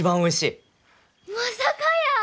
まさかやー。